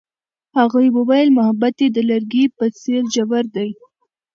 هغې وویل محبت یې د لرګی په څېر ژور دی.